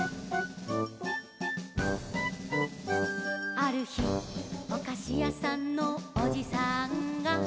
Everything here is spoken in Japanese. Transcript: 「あるひおかしやさんのおじさんが」